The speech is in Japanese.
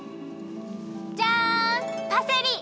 じゃんパセリ！